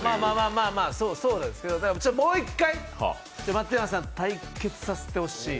まあまあ、そうなんですけど、もう一回、松山さんと対決させてほしい。